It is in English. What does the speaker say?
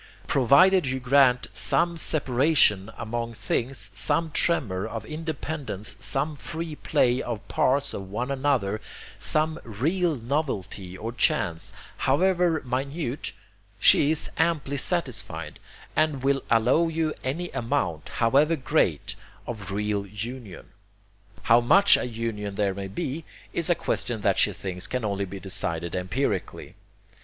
Provided you grant SOME separation among things, some tremor of independence, some free play of parts on one another, some real novelty or chance, however minute, she is amply satisfied, and will allow you any amount, however great, of real union. How much of union there may be is a question that she thinks can only be decided empirically.